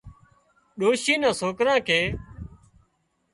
ڏوشي نان سوڪران ڪنين